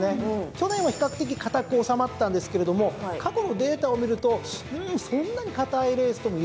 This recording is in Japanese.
去年は比較的堅く収まったんですけれども過去のデータを見るとそんなに堅いレースとも言えないようなんですよ。